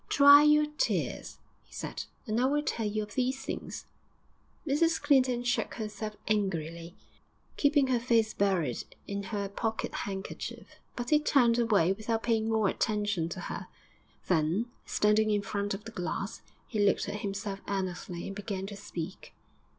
'Dry your tears,' he said, 'and I will tell you of these things.' Mrs Clinton shook herself angrily, keeping her face buried in her pocket handkerchief, but he turned away without paying more attention to her; then, standing in front of the glass, he looked at himself earnestly and began to speak.